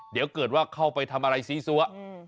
เดี๋ยวเกิดว่าเข้าไปทำอะไรซีซัว